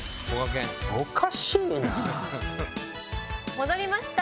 戻りました！